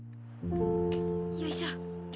よいしょ。